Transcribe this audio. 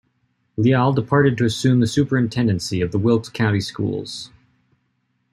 Lyall departed to assume the superintendency of the Wilkes County Schools.